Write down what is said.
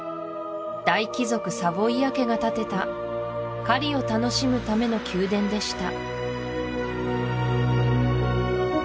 大貴族サヴォイア家が建てた狩りを楽しむための宮殿でした